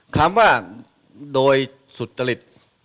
คำว่าโดยสุจริต